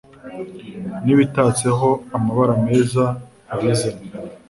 N'ibitatseho amabara meza babizane